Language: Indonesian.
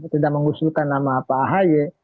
tidak mengusungkan nama apa ahaya